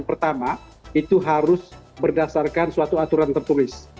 pertama itu harus berdasarkan suatu aturan tertulis